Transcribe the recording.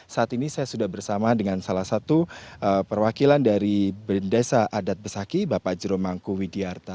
saat ini saya sudah bersama dengan salah satu perwakilan dari berndesa adat besaki bapak jero mangku widiarta